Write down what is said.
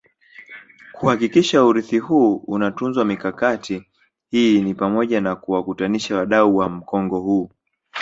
kuhakikisha urithi huu unatunzwa Mikakati hii ni pamoja na kuwakutanisha wadau wa mkongo huu